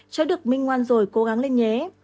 cháu được minh ngoan rồi cố gắng lên nhé